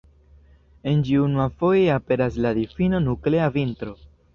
En ĝi unuafoje aperas la difino Nuklea Vintro.